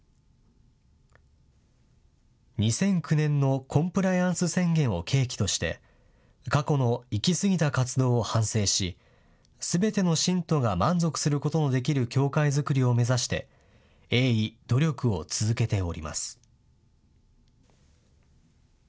２００９年のコンプライアンス宣言を契機として、過去の行き過ぎた活動を反省し、すべての信徒が満足することのできる教会作りを目指して、鋭意努力を続けております。